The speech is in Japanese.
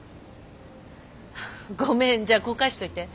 ごめんじゃあこう返しといて。